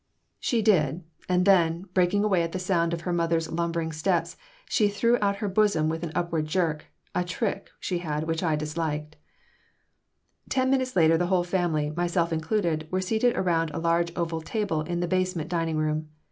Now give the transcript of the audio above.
She did, and then, breaking away at the sound of her mother's lumbering steps, she threw out her bosom with an upward jerk, a trick she had which I disliked Ten minutes later the whole family, myself included, were seated around a large oval table in the basement dining room.